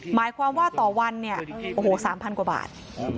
หมายความว่าต่อวัน๓๐๐๐กว่าบาท